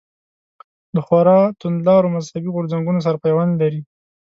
له خورا توندلارو مذهبي غورځنګونو سره پیوند لري.